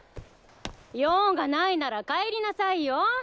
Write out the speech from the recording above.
用がないなら帰りなさいよ！